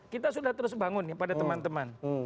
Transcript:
kita sudah terus bangun nih pada teman teman